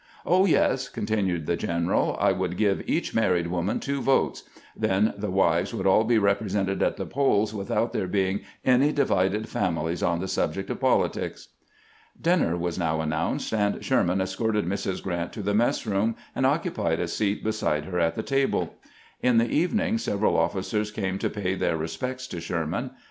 "Oh, yes," continued the general; "I would give each married woman two votes; then the wives would aU be represented at the polls, without there being any divided families on the subject of politics." Dinner was now announced, and Sherman escorted Mrs. Grrant to the mess room, and occupied a seat beside her at the table. In the evening several oflficers came to pay their re spects to Sherman.